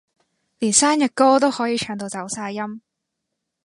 連生日歌都可以唱到走晒音